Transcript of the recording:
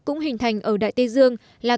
cũng hình thành ở đại tây dương là